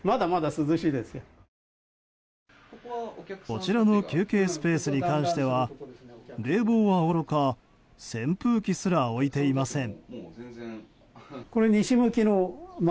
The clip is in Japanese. こちらの休憩スペースに関しては冷房はおろか扇風機すら置いていません。